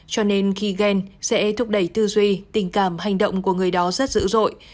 cho nên khi ghen sẽ thúc đẩy tư duy tình cảm hành động của người đó rất dữ dội